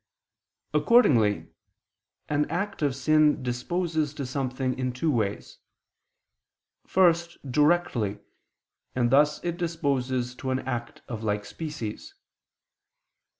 Accordingly an act of sin disposes to something in two ways. First, directly, and thus it disposes to an act of like species.